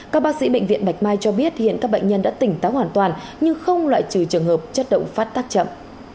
các bác sĩ bệnh viện bạch mai cho biết hiện các bệnh nhân đã tỉnh táo hoàn toàn nhưng không loại trừ trường hợp chất động phát tác chậm